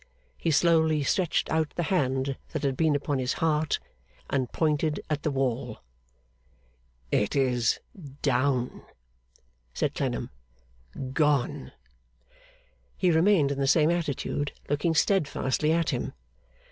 He slowly stretched out the hand that had been upon his heart, and pointed at the wall. 'It is down,' said Clennam. 'Gone!' He remained in the same attitude, looking steadfastly at him.